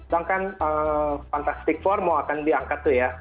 dangkan fantastic four mau akan diangkat tuh ya